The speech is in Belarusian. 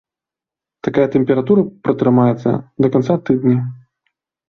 Такая тэмпература пратрымаецца да канца тыдня.